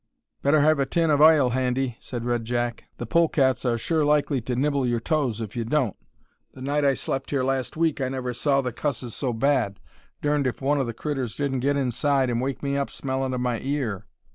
"Better have a tin of ile handy," said Red Jack. "The polecats are sure likely to nibble your toes if you don't. The night I slept here last week I never saw the cusses so bad; durned if one of the critters didn't get inside and wake me up smellin' of my ear.